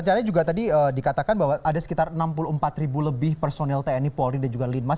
rencananya juga tadi dikatakan bahwa ada sekitar enam puluh empat ribu lebih personil tni polri dan juga linmas